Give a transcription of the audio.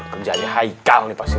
kerjaannya haikal nih pasti